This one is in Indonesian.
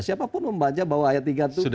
siapapun membaca bahwa ayat tiga itu